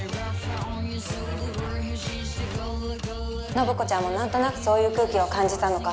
信子ちゃんもなんとなくそういう空気を感じたのか